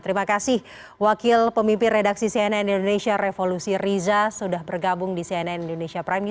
terima kasih wakil pemimpin redaksi cnn indonesia revolusi riza sudah bergabung di cnn indonesia prime news